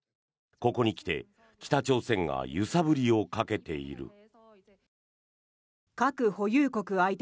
ここに来て北朝鮮が揺さぶりをかけている。